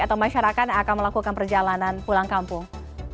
atau masyarakat akan melakukan perjalanan pulang kampung